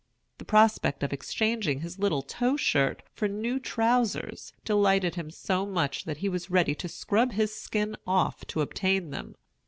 The prospect of exchanging his little tow shirt for new trousers delighted him so much that he was ready to scrub his skin off to obtain them.